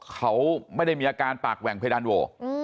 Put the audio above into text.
เขาไม่ได้มีอาการปากแหว่งเพดานโหว